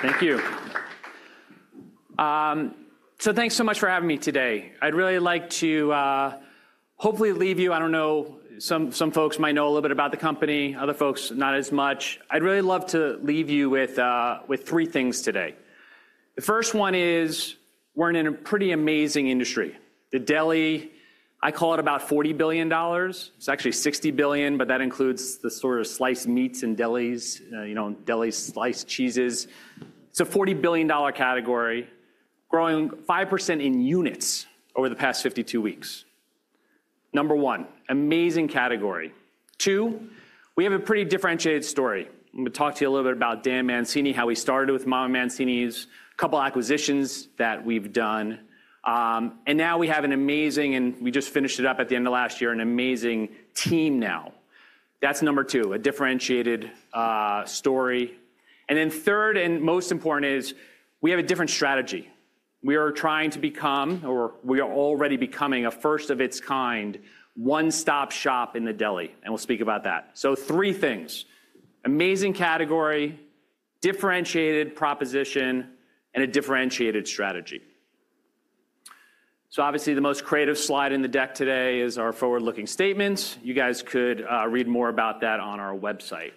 Thank you. Thanks so much for having me today. I'd really like to hopefully leave you—I don't know, some folks might know a little bit about the company, other folks not as much. I'd really love to leave you with three things today. The first one is we're in a pretty amazing industry. The deli, I call it about $40 billion. It's actually $60 billion, but that includes the sort of sliced meats and delis, you know, deli sliced cheeses. It's a $40 billion category, growing 5% in units over the past 52 weeks. Number one, amazing category. Two, we have a pretty differentiated story. I'm going to talk to you a little bit about Dan Mancini, how we started with MamaMancini's, a couple acquisitions that we've done. Now we have an amazing—and we just finished it up at the end of last year—an amazing team now. That's number two, a differentiated story. Then third and most important is we have a different strategy. We are trying to become, or we are already becoming, a first of its kind one-stop shop in the deli. We will speak about that. Three things: amazing category, differentiated proposition, and a differentiated strategy. Obviously, the most creative slide in the deck today is our forward-looking statements. You guys could read more about that on our website.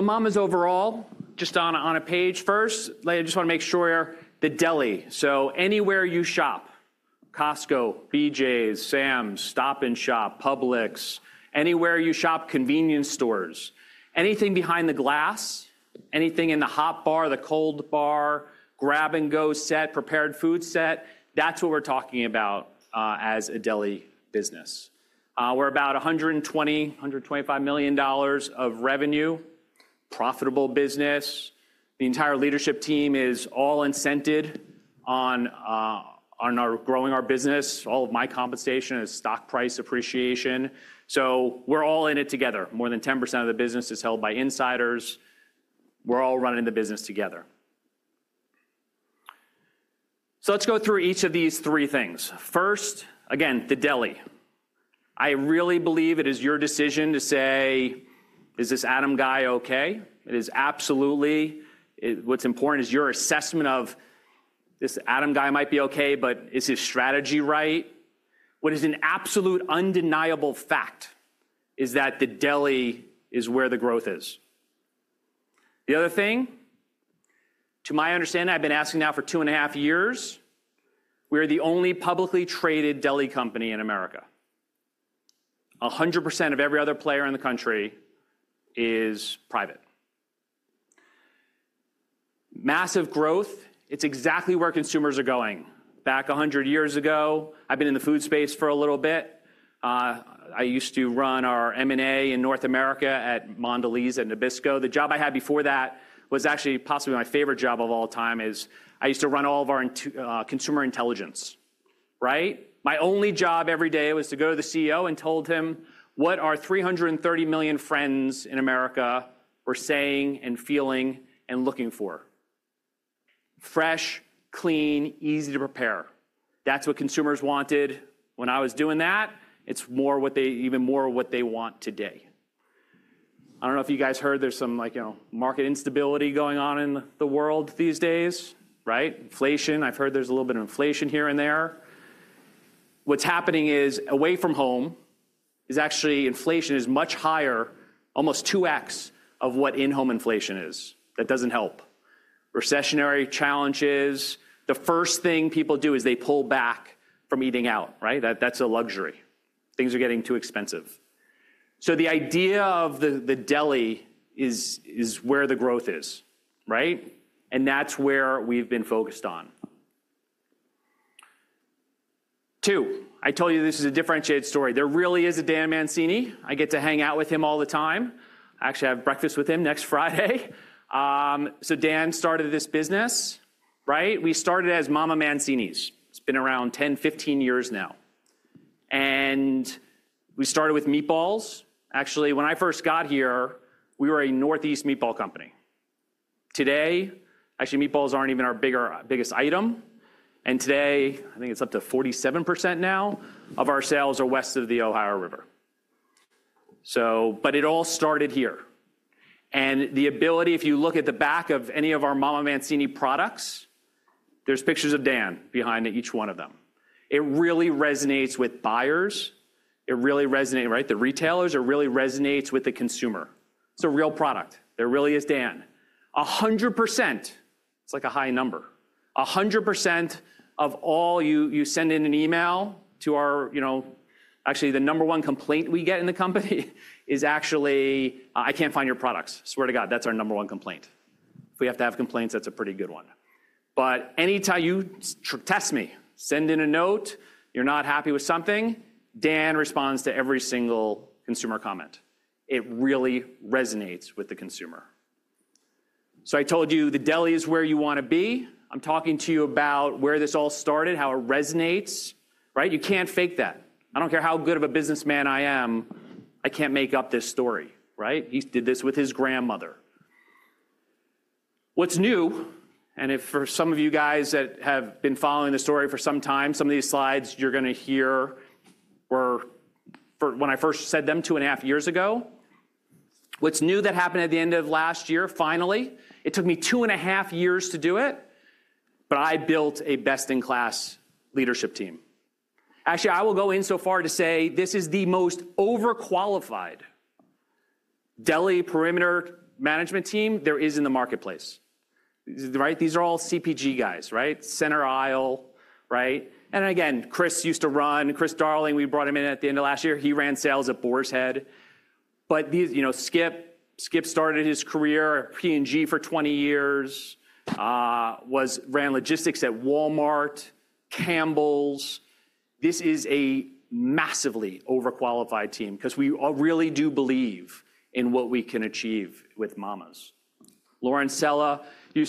Mama's overall, just on a page first, I just want to make sure the deli. Anywhere you shop: Costco, BJ's, Sam's, Stop & Shop, Publix, anywhere you shop convenience stores, anything behind the glass, anything in the hot bar, the cold bar, grab-and-go set, prepared food set, that's what we're talking about as a deli business. We're about $120 million, $125 million of revenue, profitable business. The entire leadership team is all incented on growing our business. All of my compensation is stock price appreciation. We're all in it together. More than 10% of the business is held by insiders. We're all running the business together. Let's go through each of these three things. First, again, the deli. I really believe it is your decision to say, "Is this Adam guy okay?" It is absolutely. What's important is your assessment of, "This Adam guy might be okay, but is his strategy right?" What is an absolute undeniable fact is that the deli is where the growth is. The other thing, to my understanding, I've been asking now for two and a half years, we are the only publicly traded deli company in America. 100% of every other player in the country is private. Massive growth, it's exactly where consumers are going. Back 100 years ago, I've been in the food space for a little bit. I used to run our M&A in North America at Mondelez at Nabisco. The job I had before that was actually possibly my favorite job of all time is I used to run all of our consumer intelligence, right? My only job every day was to go to the CEO and told him what our 330 million friends in America were saying and feeling and looking for. Fresh, clean, easy to prepare. That's what consumers wanted. When I was doing that, it's more what they even more what they want today. I don't know if you guys heard there's some market instability going on in the world these days, right? Inflation, I've heard there's a little bit of inflation here and there. What's happening is away from home is actually inflation is much higher, almost 2x of what in-home inflation is. That doesn't help. Recessionary challenges, the first thing people do is they pull back from eating out, right? That's a luxury. Things are getting too expensive. The idea of the deli is where the growth is, right? That's where we've been focused on. Two, I told you this is a differentiated story. There really is a Dan Mancini. I get to hang out with him all the time. I actually have breakfast with him next Friday. Dan started this business, right? We started as MamaMancini's. It's been around 10, 15 years now. We started with meatballs. Actually, when I first got here, we were a Northeast meatball company. Today, actually, meatballs aren't even our biggest item. Today, I think it's up to 47% now of our sales are west of the Ohio River. It all started here. The ability, if you look at the back of any of our MamaMancini's products, there's pictures of Dan behind each one of them. It really resonates with buyers. It really resonates, right? The retailers really resonate with the consumer. It's a real product. There really is Dan. 100%, it's like a high number. 100% of all you send in an email to our, actually, the number one complaint we get in the company is actually, "I can't find your products." Swear to god, that's our number one complaint. If we have to have complaints, that's a pretty good one. Anytime you test me, send in a note, you're not happy with something, Dan responds to every single consumer comment. It really resonates with the consumer. I told you the deli is where you want to be. I'm talking to you about where this all started, how it resonates, right? You can't fake that. I don't care how good of a businessman I am, I can't make up this story, right? He did this with his grandmother. What's new, and for some of you guys that have been following the story for some time, some of these slides you're going to hear were when I first said them two and a half years ago. What's new that happened at the end of last year, finally? It took me two and a half years to do it, but I built a best-in-class leadership team. Actually, I will go in so far to say this is the most overqualified deli perimeter management team there is in the marketplace, right? These are all CPG guys, right? Center aisle, right? Again, Chris used to run, Chris Darling, we brought him in at the end of last year. He ran sales at Boar's Head. Skip started his career at P&G for 20 years, ran logistics at Walmart, Campbell's. This is a massively overqualified team because we really do believe in what we can achieve with Mama's. Lauren Sella, who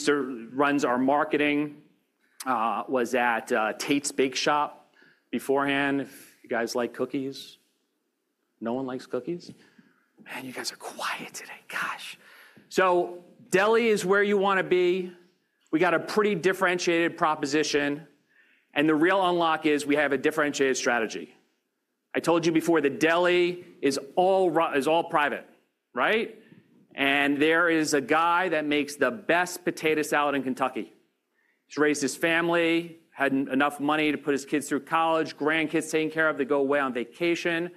runs our marketing, was at Tate's Bake Shop beforehand. You guys like cookies? No one likes cookies? Man, you guys are quiet today. Gosh. Deli is where you want to be. We got a pretty differentiated proposition. The real unlock is we have a differentiated strategy. I told you before the deli is all private, right? There is a guy that makes the best potato salad in Kentucky. He's raised his family, had enough money to put his kids through college, grandkids taken care of to go away on vacation.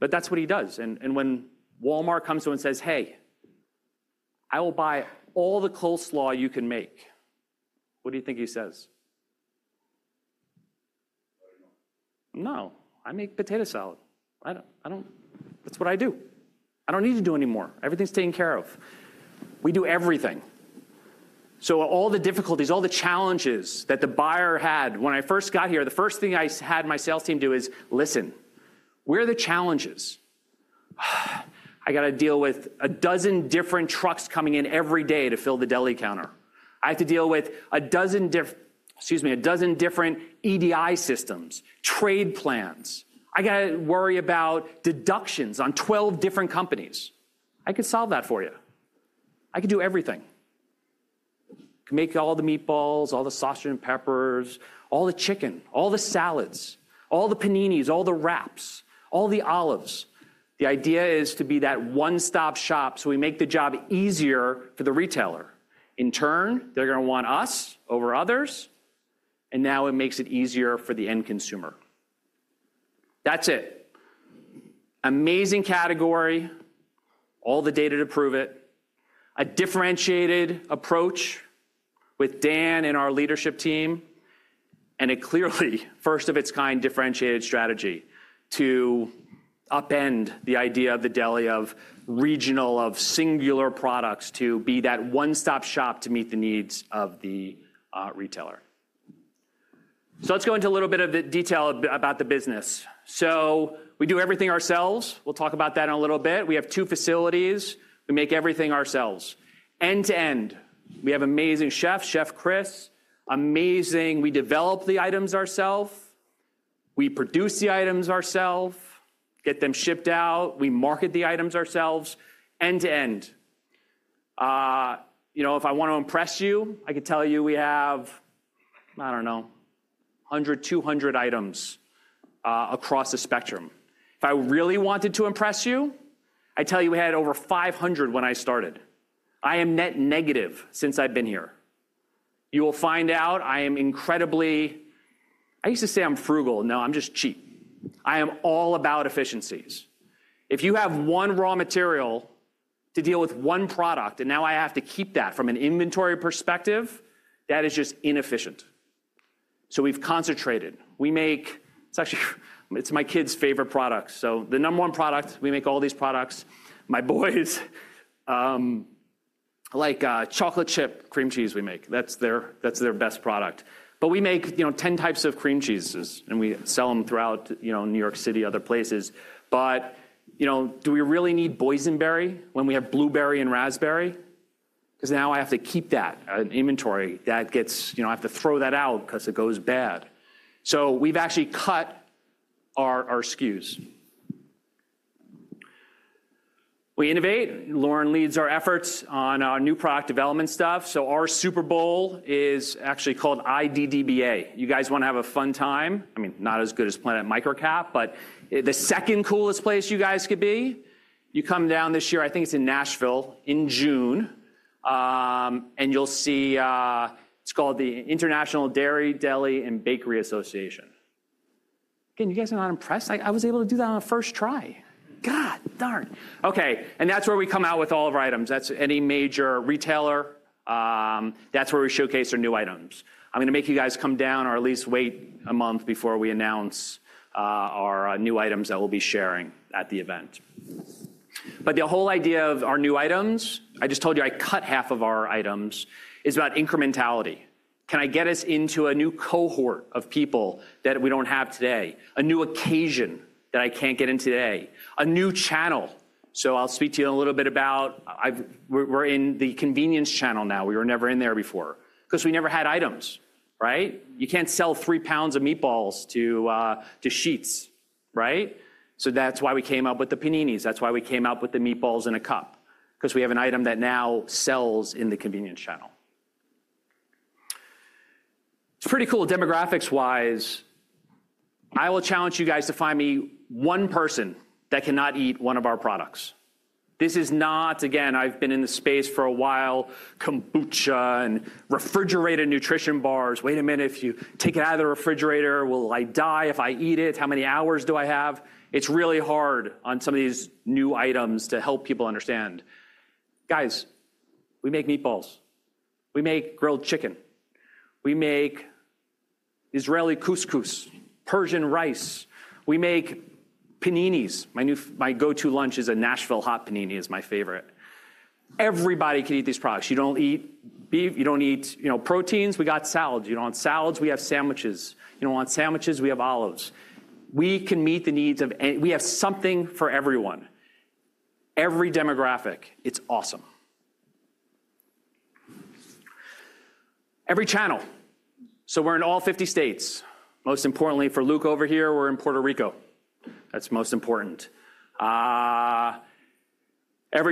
That is what he does. When Walmart comes to him and says, "Hey, I will buy all the coleslaw you can make," what do you think he says? I don't know. No, I make potato salad. That's what I do. I don't need to do any more. Everything's taken care of. We do everything. All the difficulties, all the challenges that the buyer had when I first got here, the first thing I had my sales team do is listen. Where are the challenges? I got to deal with a dozen different trucks coming in every day to fill the deli counter. I have to deal with a dozen different EDI systems, trade plans. I got to worry about deductions on 12 different companies. I could solve that for you. I could do everything. I could make all the meatballs, all the sausage and peppers, all the chicken, all the salads, all the paninis, all the wraps, all the olives. The idea is to be that one-stop shop so we make the job easier for the retailer. In turn, they're going to want us over others. Now it makes it easier for the end consumer. That's it. Amazing category, all the data to prove it. A differentiated approach with Dan and our leadership team. A clearly first-of-its-kind differentiated strategy to upend the idea of the deli, of regional, of singular products to be that one-stop shop to meet the needs of the retailer. Let's go into a little bit of the detail about the business. We do everything ourselves. We'll talk about that in a little bit. We have two facilities. We make everything ourselves. End to end, we have amazing chefs, Chef Chris, amazing. We develop the items ourselves. We produce the items ourselves, get them shipped out. We market the items ourselves. End to end. If I want to impress you, I could tell you we have, I don't know, 100, 200 items across the spectrum. If I really wanted to impress you, I'd tell you we had over 500 items when I started. I am net negative since I've been here. You will find out I am incredibly—I used to say I'm frugal. No, I'm just cheap. I am all about efficiencies. If you have one raw material to deal with one product, and now I have to keep that from an inventory perspective, that is just inefficient. We have concentrated. We make—it's actually my kids' favorite products. The number one product, we make all these products. My boys like chocolate chip cream cheese we make. That's their best product. We make 10 types of cream cheeses, and we sell them throughout New York City, other places. Do we really need boysenberry when we have blueberry and raspberry? Because now I have to keep that in inventory. I have to throw that out because it goes bad. We have actually cut our SKUs. We innovate. Lauren leads our efforts on our new product development stuff. Our Super Bowl is actually called IDDBA. You guys want to have a fun time. I mean, not as good as Planet MicroCap, but the second coolest place you guys could be, you come down this year, I think it is in Nashville in June, and you will see it is called the International Dairy, Deli, and Bakery Association. Again, you guys are not impressed? I was able to do that on a first try. God, darn. Okay. That is where we come out with all of our items. That is any major retailer. That is where we showcase our new items. I'm going to make you guys come down or at least wait a month before we announce our new items that we'll be sharing at the event. The whole idea of our new items, I just told you I cut half of our items, is about incrementality. Can I get us into a new cohort of people that we don't have today? A new occasion that I can't get in today? A new channel. I will speak to you in a little bit about we're in the convenience channel now. We were never in there before because we never had items, right? You can't sell three pounds of meatballs to Sheetz, right? That is why we came up with the paninis. That is why we came up with the meatballs in a cup because we have an item that now sells in the convenience channel. It's pretty cool demographics-wise. I will challenge you guys to find me one person that cannot eat one of our products. This is not, again, I've been in the space for a while, kombucha and refrigerated nutrition bars. Wait a minute, if you take it out of the refrigerator, will I die if I eat it? How many hours do I have? It's really hard on some of these new items to help people understand. Guys, we make meatballs. We make grilled chicken. We make Israeli couscous, Persian rice. We make paninis. My go-to lunch is a Nashville hot panini is my favorite. Everybody can eat these products. You don't eat beef. You don't eat proteins. We got salads. You don't want salads. We have sandwiches. You don't want sandwiches. We have olives. We can meet the needs of we have something for everyone. Every demographic, it's awesome. Every channel. We're in all 50 states. Most importantly, for Luke over here, we're in Puerto Rico. That's most important. Every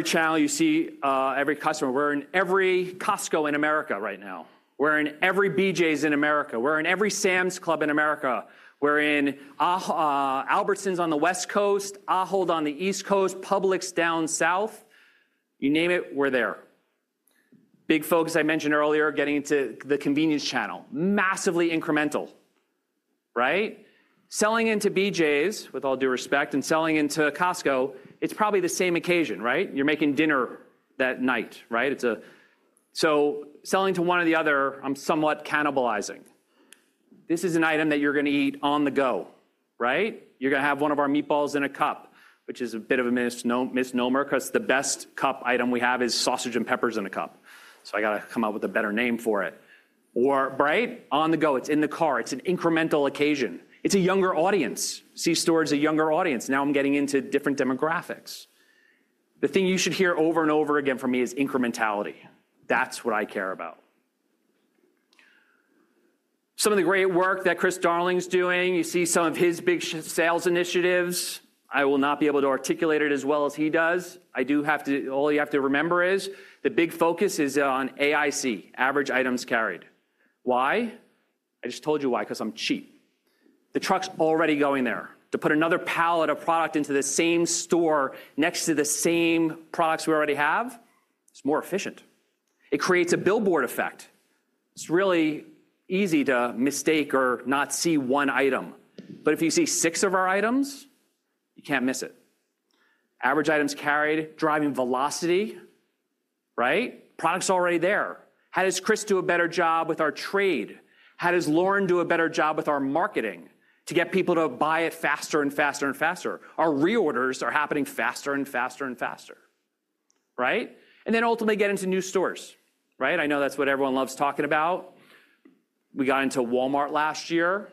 channel you see, every customer, we're in every Costco in America right now. We're in every BJ's in America. We're in every Sam's Club in America. We're in Albertsons on the West Coast, Ahold on the East Coast, Publix down south. You name it, we're there. Big folks I mentioned earlier getting into the convenience channel. Massively incremental, right? Selling into BJ's, with all due respect, and selling into Costco, it's probably the same occasion, right? You're making dinner that night, right? So selling to one or the other, I'm somewhat cannibalizing. This is an item that you're going to eat on the go, right? You're going to have one of our meatballs in a cup, which is a bit of a misnomer because the best cup item we have is sausage and peppers in a cup. I got to come up with a better name for it. Right, on the go. It's in the car. It's an incremental occasion. It's a younger audience. C-Store is a younger audience. Now I'm getting into different demographics. The thing you should hear over and over again from me is incrementality. That's what I care about. Some of the great work that Chris Darling's doing, you see some of his big sales initiatives. I will not be able to articulate it as well as he does. All you have to remember is the big focus is on AIC, average items carried. Why? I just told you why because I'm cheap. The truck's already going there. To put another pallet of product into the same store next to the same products we already have, it's more efficient. It creates a billboard effect. It's really easy to mistake or not see one item. But if you see six of our items, you can't miss it. Average items carried, driving velocity, right? Products already there. How does Chris do a better job with our trade? How does Lauren do a better job with our marketing to get people to buy it faster and faster and faster? Our reorders are happening faster and faster and faster, right? Ultimately get into new stores, right? I know that's what everyone loves talking about. We got into Walmart last year.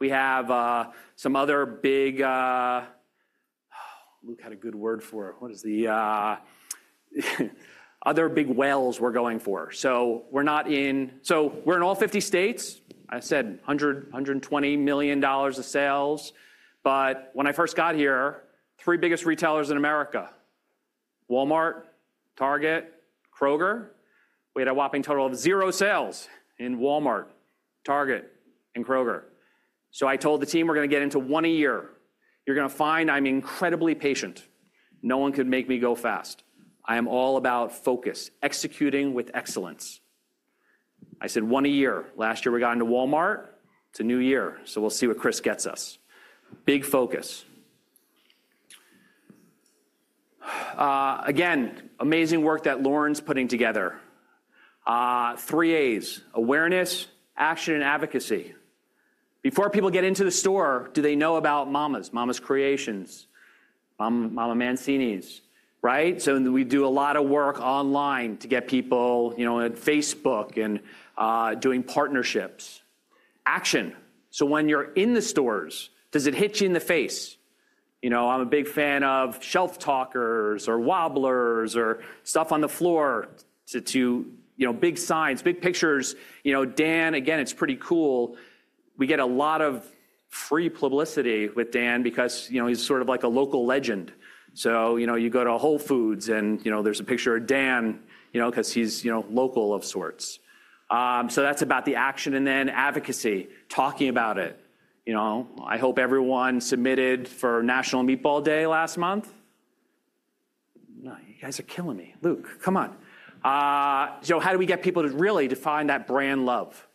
We have some other big Luke had a good word for it. What is the other big wells we're going for? We're in all 50 states. I said $120 million of sales. When I first got here, three biggest retailers in America, Walmart, Target, Kroger, we had a whopping total of zero sales in Walmart, Target, and Kroger. I told the team, "We're going to get into one a year. You're going to find I'm incredibly patient. No one could make me go fast. I am all about focus, executing with excellence." I said one a year. Last year, we got into Walmart. It's a new year. We'll see what Chris gets us. Big focus. Again, amazing work that Lauren's putting together. Three As, awareness, action, and advocacy. Before people get into the store, do they know about Mama's, Mama's Creations, MamaMancini's, right? We do a lot of work online to get people on Facebook and doing partnerships. Action. When you're in the stores, does it hit you in the face? I'm a big fan of shelf talkers or wobblers or stuff on the floor, big signs, big pictures. Dan, again, it's pretty cool. We get a lot of free publicity with Dan because he's sort of like a local legend. You go to Whole Foods and there's a picture of Dan because he's local of sorts. That's about the action. Then advocacy, talking about it. I hope everyone submitted for National Meatball Day last month. No, you guys are killing me. Luke, come on. How do we get people to really define that brand love?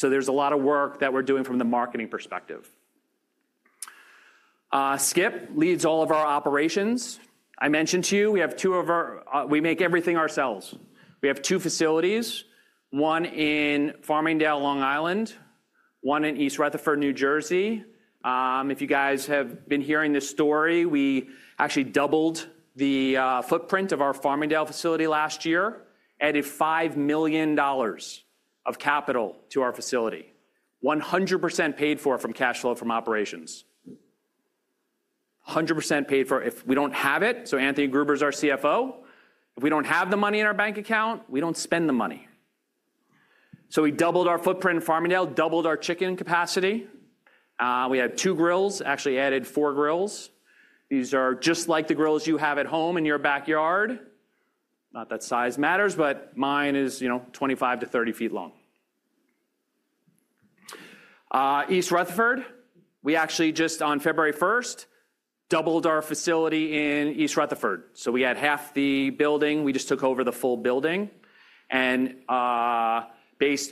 There's a lot of work that we're doing from the marketing perspective. Skip leads all of our operations. I mentioned to you, we have two of our we make everything ourselves. We have two facilities, one in Farmingdale, Long Island, one in East Rutherford, New Jersey. If you guys have been hearing this story, we actually doubled the footprint of our Farmingdale facility last year, added $5 million of capital to our facility, 100% paid for from cash flow from operations. 100% paid for if we do not have it. Anthony Gruber is our CFO. If we do not have the money in our bank account, we do not spend the money. We doubled our footprint in Farmingdale, doubled our chicken capacity. We have two grills, actually added four grills. These are just like the grills you have at home in your backyard. Not that size matters, but mine is 25 to 30 feet long. East Rutherford, we actually just on February 1st, doubled our facility in East Rutherford. We had half the building. We just took over the full building. Based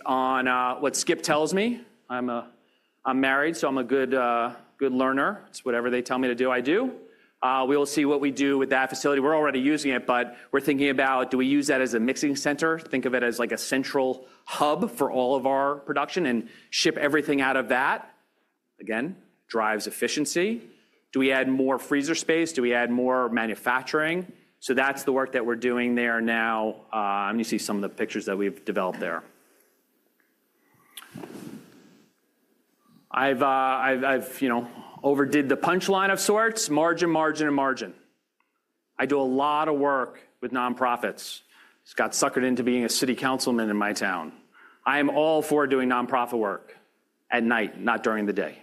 on what Skip tells me, I'm married, so I'm a good learner. It's whatever they tell me to do, I do. We will see what we do with that facility. We're already using it, but we're thinking about, do we use that as a mixing center? Think of it as like a central hub for all of our production and ship everything out of that. Again, drives efficiency. Do we add more freezer space? Do we add more manufacturing? That's the work that we're doing there now. You see some of the pictures that we've developed there. I've overdid the punchline of sorts, margin, margin, and margin. I do a lot of work with nonprofits. Scott suckered into being a city councilman in my town. I am all for doing nonprofit work at night, not during the day.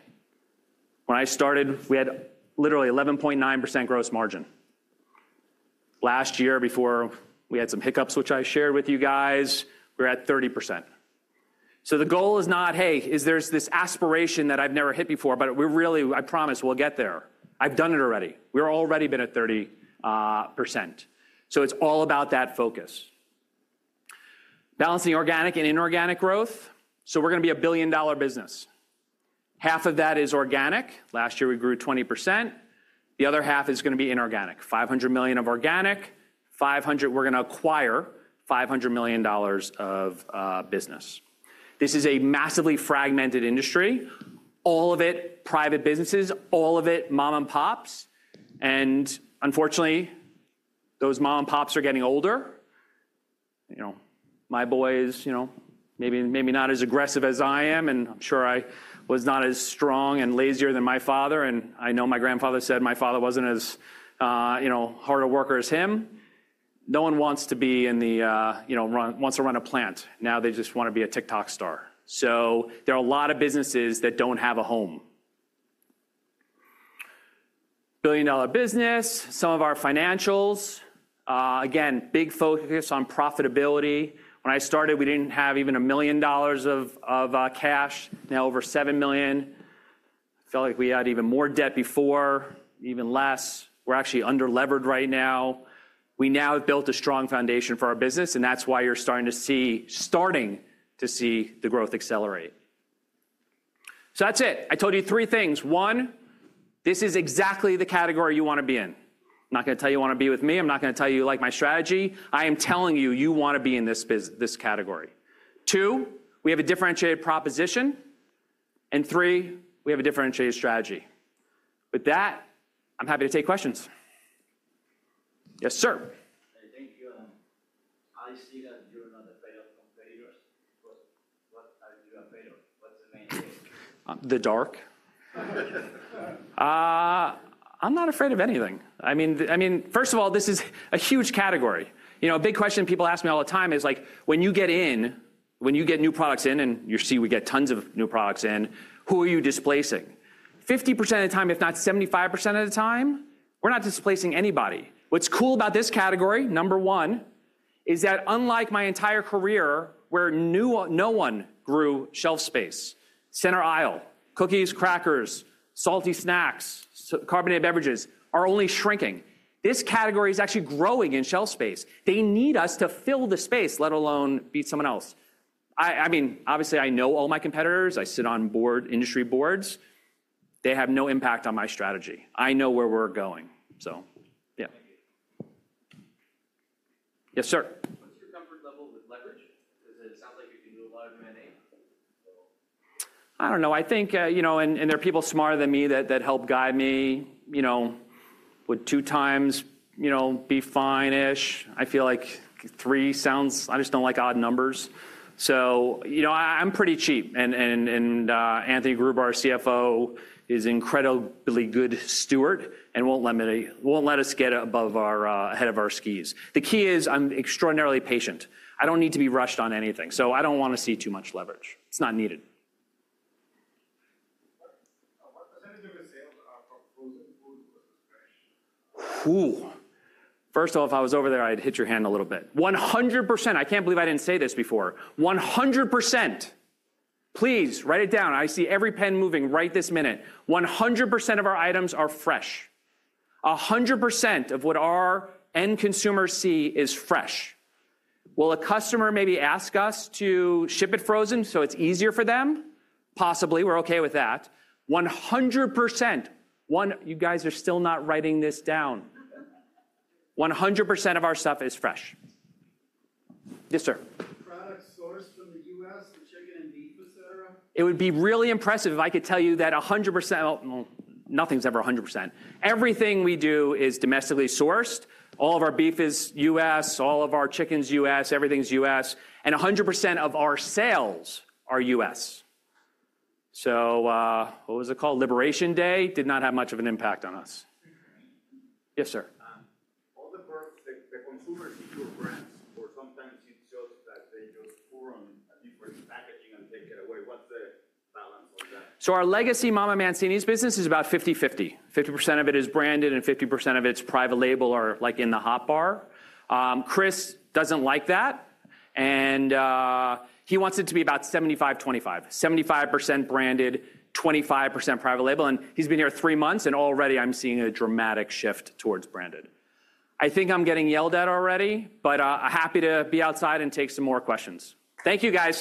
When I started, we had literally 11.9% gross margin. Last year, before we had some hiccups, which I shared with you guys, we were at 30%. The goal is not, hey, there's this aspiration that I've never hit before, but we're really, I promise we'll get there. I've done it already. We've already been at 30%. It's all about that focus. Balancing organic and inorganic growth. We're going to be a billion-dollar business. Half of that is organic. Last year, we grew 20%. The other half is going to be inorganic. $500 million of organic. We're going to acquire $500 million of business. This is a massively fragmented industry. All of it, private businesses. All of it, mom and pops. Unfortunately, those mom and pops are getting older. My boys, maybe not as aggressive as I am, and I'm sure I was not as strong and lazier than my father. I know my grandfather said my father wasn't as hard a worker as him. No one wants to run a plant. Now they just want to be a TikTok star. There are a lot of businesses that don't have a home. Billion-dollar business. Some of our financials. Again, big focus on profitability. When I started, we didn't have even a million dollars of cash. Now over $7 million. Felt like we had even more debt before, even less. We're actually under-levered right now. We now have built a strong foundation for our business, and that's why you're starting to see the growth accelerate. That's it. I told you three things. One, this is exactly the category you want to be in. I'm not going to tell you you want to be with me. I'm not going to tell you you like my strategy. I am telling you you want to be in this category. Two, we have a differentiated proposition. Three, we have a differentiated strategy. With that, I'm happy to take questions. Yes, sir. Thank you. I see that you're not afraid of competitors. What are you afraid of? What's the main thing? The dark. I'm not afraid of anything. I mean, first of all, this is a huge category. A big question people ask me all the time is when you get in, when you get new products in, and you see we get tons of new products in, who are you displacing? 50% of the time, if not 75% of the time, we're not displacing anybody. What's cool about this category, number one, is that unlike my entire career where no one grew shelf space, center aisle, cookies, crackers, salty snacks, carbonated beverages are only shrinking. This category is actually growing in shelf space. They need us to fill the space, let alone beat someone else. I mean, obviously, I know all my competitors. I sit on industry boards. They have no impact on my strategy. I know where we're going. Yes, sir. What's your comfort level with leverage? Because it sounds like you can do a lot of M&A. I don't know. I think, and there are people smarter than me that help guide me with two times be fine-ish. I feel like three sounds I just don't like odd numbers. So I'm pretty cheap. Anthony Gruber, our CFO, is an incredibly good steward and will not let us get ahead of our skis. The key is I am extraordinarily patient. I do not need to be rushed on anything. I do not want to see too much leverage. It is not needed. What percentage of your sales are frozen food versus fresh? Ooh. First off, if I was over there, I would hit your hand a little bit. 100%. I cannot believe I did not say this before. 100%. Please write it down. I see every pen moving right this minute. 100% of our items are fresh. 100% of what our end consumers see is fresh. Will a customer maybe ask us to ship it frozen so it is easier for them? Possibly. We are okay with that. 100%. You guys are still not writing this down. 100% of our stuff is fresh. Yes, sir. Products sourced from the U.S., the chicken and beef, etc.? It would be really impressive if I could tell you that 100%—nothing's ever 100%. Everything we do is domestically sourced. All of our beef is U.S., all of our chicken's U.S., everything's U.S. And 100% of our sales are U.S. What was it called? Liberation Day did not have much of an impact on us. Yes, sir. All the perks that consumers give your brands. Or sometimes it's just that they just put on a different packaging and take it away. What's the balance of that? Our legacy MamaMancini's business is about 50-50. 50% of it is branded and 50% of it's private label or like in the hot bar. Chris doesn't like that. He wants it to be about 75-25. 75% branded, 25% private label. He has been here three months, and already I am seeing a dramatic shift towards branded. I think I am getting yelled at already, but I am happy to be outside and take some more questions. Thank you guys.